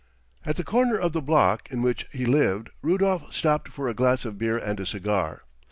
At the corner of the block in which he lived Rudolf stopped for a glass of beer and a cigar.